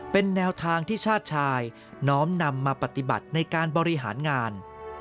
เป็นแนวทางที่ชาติชายน้อมนำมาปฏิบัติในการบริหารงาน